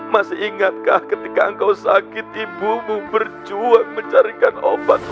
masih ingatkah ketika kau sakit ibumu berjuang mencarikan obatmu